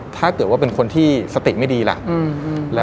ถ้าเกิดว่าเป็นคนที่สติไม่ดีล่ะ